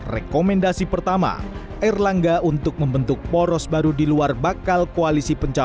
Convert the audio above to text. rekomendasi pertama erlangga untuk membentuk poros baru di luar bakal koalisi perubahan